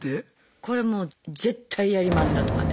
これもう絶対ヤリマンだとかね。